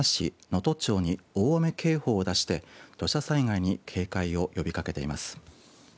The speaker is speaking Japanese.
能登町に大雨警報を出して土砂災害に警戒を呼びかけています。